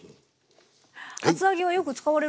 厚揚げはよく使われるんですか？